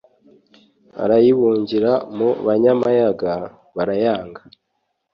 arayibungira mu banyamayaga, barayanga